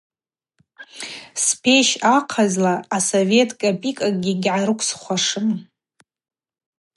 Спещ ахъазла асовет кӏапӏикӏакӏгьи гьгӏарыквсхуашым.